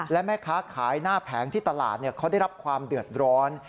และแม่ค้าขายหน้าแผงที่ตลาดเขาได้รับความเดือดร้อน